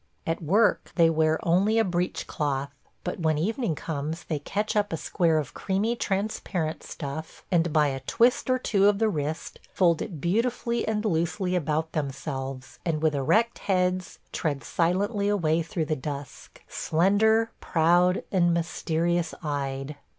At work they wear only a breechcloth, but when evening comes they catch up a square of creamy transparent stuff, and by a twist or two of the wrist fold it beautifully and loosely about themselves, and with erect heads tread silently away through the dusk – slender, proud, and mysterious eyed.